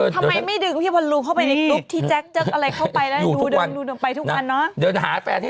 ทำไมไม่ดึงพี่บอลลูนเข้าไปในกรุ๊ปที่แจ๊กเจ๊กอะไรเข้าไป